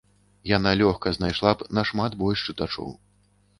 Яна лёгка знайшла б нашмат больш чытачоў.